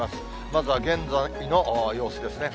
まずは現在の様子ですね。